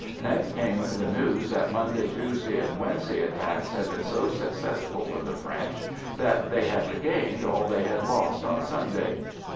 Next came the news that Monday, Tuesday, and Wednesday attacks had been so successful for the French that they had regained all they had lost on Sunday